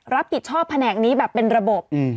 รับผิดชอบแผนกนี้แบบเป็นระบบ